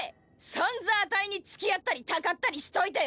散々あたいに付き合ったりたかったりしといてよぉ！